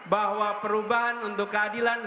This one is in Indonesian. bahwa perubahan untuk keadilan